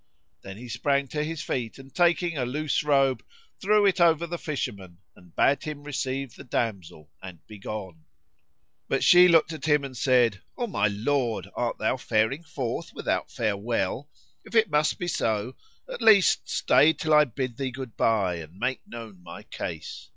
Then he sprang to his feet and, taking a loose robe, threw it over the fisherman and bade him receive the damsel and be gone. But she looked at him and said, "O my lord, art thou faring forth without farewell? If it must be so, at least stay till I bid thee good bye and make known my case."